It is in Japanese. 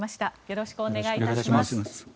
よろしくお願いします。